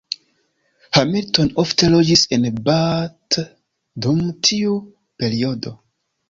Hamilton ofte loĝis en Bath dum tiu periodo.